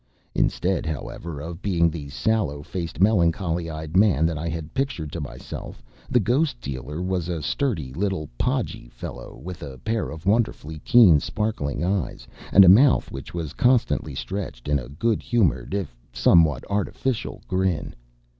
Instead, however, of being the sallow faced, melancholy eyed man that I had pictured to myself, the ghost dealer was a sturdy little podgy fellow, with a pair of wonderfully keen sparkling eyes and a mouth which was constantly stretched in a good humoured, if somewhat artificial, grin.